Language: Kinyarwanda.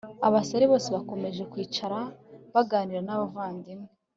abasare bose bakomeje kwicara baganira n abavandimwe